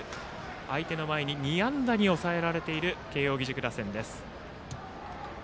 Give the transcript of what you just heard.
相手の前に２安打に抑えられている慶応義塾打線です。